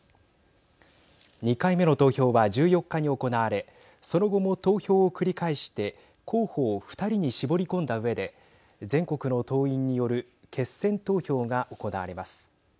２回目の投票は１４日に行われその後も投票を繰り返して候補を２人に絞り込んだうえで全国の党員による決選投票が行われます。